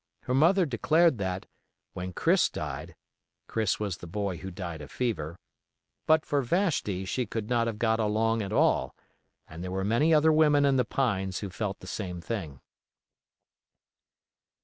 Her mother declared that, when Chris died (Chris was the boy who died of fever), but for Vashti she could not have got along at all, and there were many other women in the pines who felt the same thing.